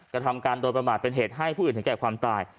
กระทำการโดยประมาทเป็นเหตุให้ผู้อื่นถึงแก่ความตาย